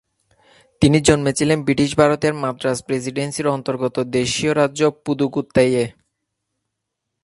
তিনি জন্মেছিলেন ব্রিটিশ ভারতের মাদ্রাজ প্রেসিডেন্সির অন্তর্গত দেশীয় রাজ্য পুদুকোত্তাইয়ে।